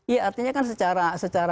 iya artinya kan secara